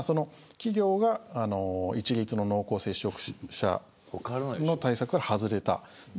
企業が一律の濃厚接触者の対策から外れた。